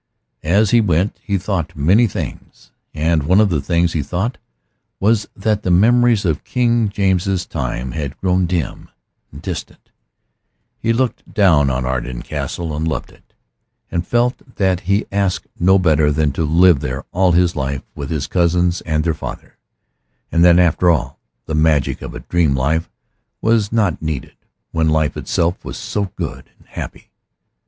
As he went he thought many things, and one of the things he thought was that the memories of King James's time had grown dim and distant he looked down on Arden Castle and loved it, and felt that he asked no better than to live there all his life with his cousins and their father, and that, after all, the magic of a dream life was not needed, when life itself was so good and happy.